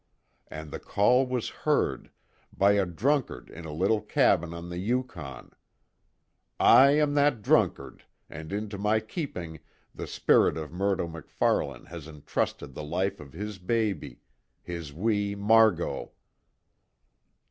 And the call was heard by a drunkard in a little cabin on the Yukon. I am that drunkard, and into my keeping the spirit of Murdo MacFarlane has entrusted the life of his baby his wee Margot."